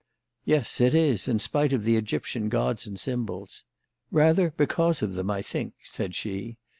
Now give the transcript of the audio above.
"Yes, it is, in spite of the Egyptian gods and symbols." "Rather because of them, I think," said she.